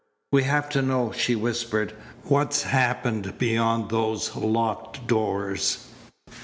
"We have to know," she whispered, "what's happened beyond those locked doors."